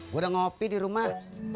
udah ngopi di rumah